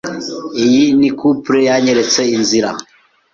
Uyu ni couple yanyeretse inzira.